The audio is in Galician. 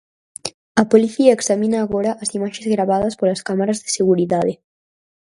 A Policía examina agora as imaxes gravadas polas cámaras de seguridade.